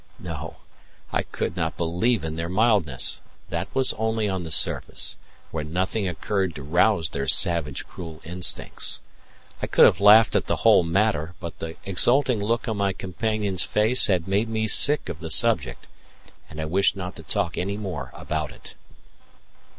No, I could not believe in their mildness; that was only on the surface, when nothing occurred to rouse their savage, cruel instincts. I could have laughed at the whole matter, but the exulting look on my companion's face had made me sick of the subject, and I wished not to talk any more about it.